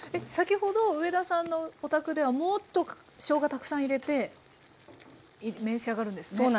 先ほど上田さんのお宅ではもっとしょうがたくさん入れて召し上がるんですね？